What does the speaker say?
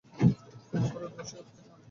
কুমু বলে উঠল, না, সে কিছুতেই হবে না।